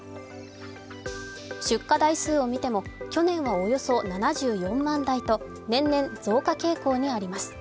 出荷台数を見ても去年はおよそ７４万台と年々増加傾向にあります。